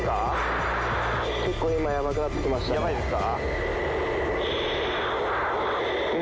ヤバいですか？